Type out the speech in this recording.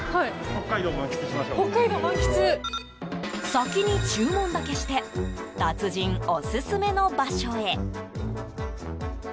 先に注文だけして達人オススメの場所へ。